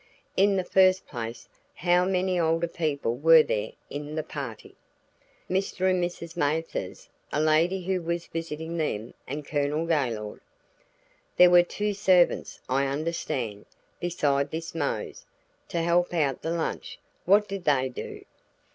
In the first place, how many older people were there in the party?" "Mr. and Mrs. Mathers, a lady who was visiting them and Colonel Gaylord." "There were two servants, I understand, besides this Mose, to help about the lunch. What did they do?"